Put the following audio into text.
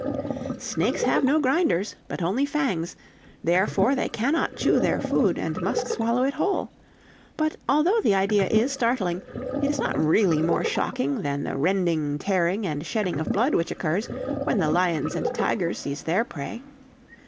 "Snakes have no grinders, but only fangs, therefore they cannot chew their food, and must swallow it whole. But although the idea is startling, it is not really more shocking than the rending, tearing, and shedding of blood which occurs when the lions and tigers seize their prey."